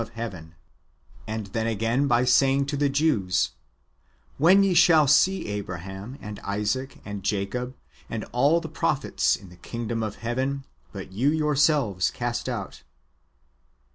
397 of heaven ;"^ and then again by saying to the Jews, "When ye shall see Abraham, and Isaac, and Jacob, and all the pro phets in the kingdom of heaven, bnt you yourselves cast out."